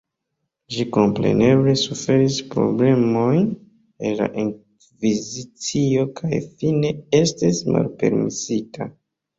Ĝi kompreneble suferis problemojn el la Inkvizicio kaj fine estis malpermesita.